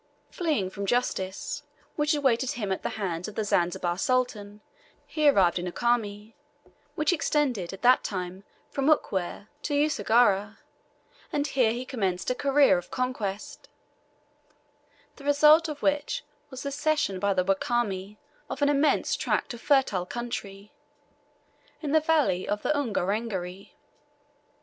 Fleeing from justice, which awaited him at the hands of the Zanzibar Sultan, he arrived in Ukami, which extended at that time from Ukwere to Usagara, and here he commenced a career of conquest, the result of which was the cession by the Wakami of an immense tract of fertile country, in the valley of the Ungerengeri.